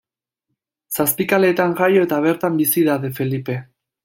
Zazpikaleetan jaio eta bertan bizi da De Felipe.